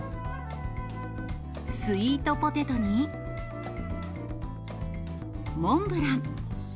スイートポテトに、モンブラン。